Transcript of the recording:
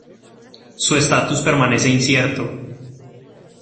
Su estatus permanece incierto.